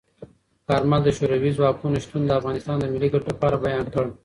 کارمل د شوروي ځواکونو شتون د افغانستان د ملي ګټو لپاره بیان کړ.